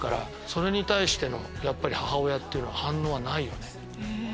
それに対しての母親というのは反応はないよね。